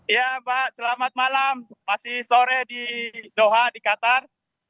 ya mbak selamat malam masih sore di doha di qatar